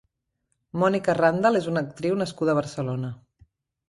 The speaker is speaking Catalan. Mònica Randall és una actriu nascuda a Barcelona.